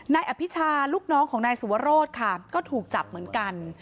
นายอภิชาลูกน้องของนายสุวรสค่ะก็ถูกจับเหมือนกัน